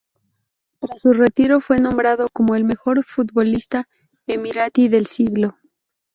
Tras su retiro fue nombrado como el mejor futbolista emiratí del siglo.